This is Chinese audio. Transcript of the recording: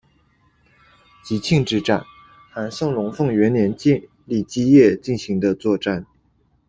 集庆之战，韩宋龙凤元年建立基业进行的作战。